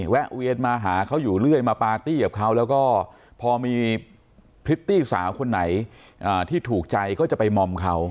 แวะเวียนมาหาเขาอยู่เรื่อยมาปาร์ตี้กับเขาแล้วก็พอมีพริตตี้สาวคนไหนที่ถูกใจก็จะไปมอมเขา